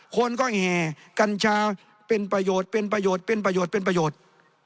คนก็แห่กัญชาเป็นประโยชน์เป็นประโยชน์เป็นประโยชน์เป็นประโยชน์